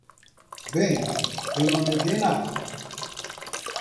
Bem, eu não neguei nada.